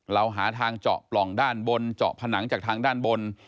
เราหาทางเจาะปล่องด้านบนเจาะผนังจากทางด้านบน